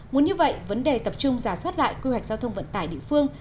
muốn như vậy vấn đề tập trung giả soát lại quy hoạch giao thông vận tải địa phương